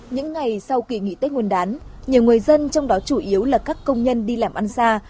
những ngày sau kỳ nghỉ tết nguyên đán nhiều người dân trong đó chủ yếu là các công nhân đi làm ăn xa